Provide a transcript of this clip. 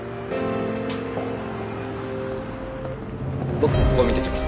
僕ここを見てきます。